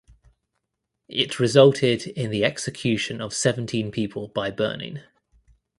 It resulted in the execution of seventeen people by burning.